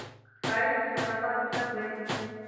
ښایست د صداقت څرک دی